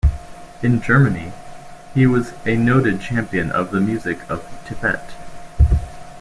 In Germany, he was a noted champion of the music of Tippett.